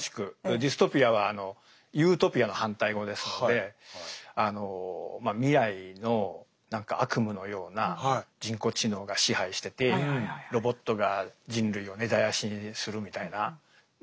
ディストピアはユートピアの反対語ですのでまあ未来の何か悪夢のような人工知能が支配しててロボットが人類を根絶やしにするみたいなまあ